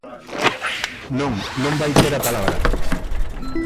Non, non vai ter a palabra.